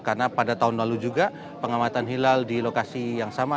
karena pada tahun lalu juga pengamatan hilal di lokasi yang sama